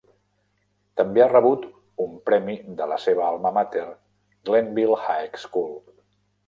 També ha rebut un premi de la seva alma mater, Glenville High School.